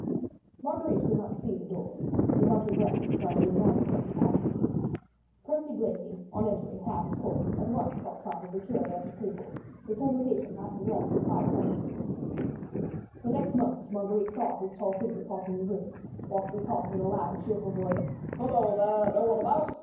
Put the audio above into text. Marguerite could not see the door: she held her breath, trying to imagine what was happening. Percy Blakeney on entering had, of course, at once caught sight of the curé at the table; his hesitation lasted less than five seconds, the next moment Marguerite saw his tall figure crossing the room, whilst he called in a loud, cheerful voice,— "Hello, there! no one about?